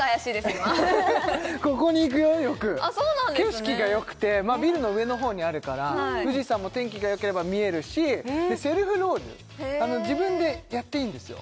今ここに行くよよく景色がよくてビルの上のほうにあるから富士山も天気がよければ見えるしでセルフロウリュ自分でやっていいんですよ